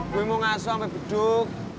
gue mau ngasuh sampai beduk